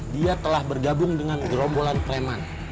dia telah bergabung dengan gerombolan preman